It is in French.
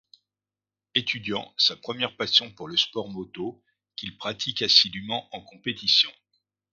Étudiant, sa première passion pour le sport moto, qu’il pratique assidûment en compétition.